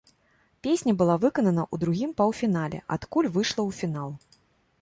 Песня была выканана ў другім паўфінале, адкуль выйшла ў фінал.